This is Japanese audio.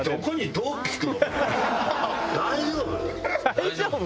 大丈夫？